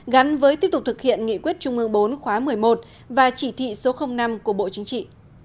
gắn với tiếp tục thực hiện nghị quyết trung ương bốn khóa một mươi một và chỉ thị số năm của bộ chính trị